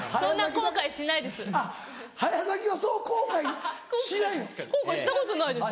後悔したことないです。